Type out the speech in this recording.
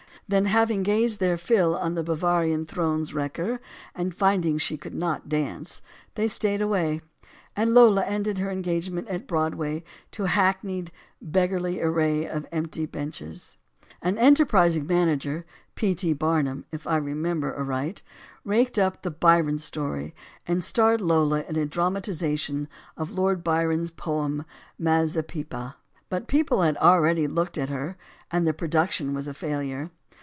Then, having gazed their fill on the Bavarian throne's wrecker and finding she could not dance, they stayed away; and Lola ended her engagement at the Broad way to the hackneyed "beggarly array of empty benches." An enterprising manager P. T. Barnum, if I re member aright raked up the Byron story and starred Lola in a dramatization of Lord Byron's poem "Ma zeppa." But people here had already looked at her, and the production was a failure.